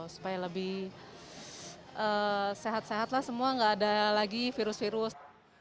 supaya lebih sehat sehat lah semua nggak ada lagi virus virus